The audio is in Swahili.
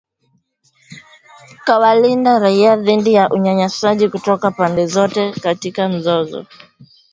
kuwalinda raia dhidi ya unyanyasaji kutoka pande zote katika mzozo.